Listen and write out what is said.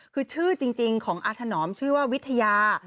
คือชื่อจริงของอาถนอมชื่อว่าวิทยา